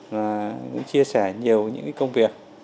và cũng chia sẻ nhiều những cái công việc